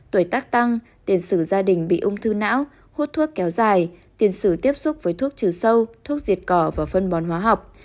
tuổi tác tăng tiền sử gia đình bị ung thư não hút thuốc kéo dài tiền sử tiếp xúc với thuốc trừ sâu thuốc diệt cỏ và phân bón hóa học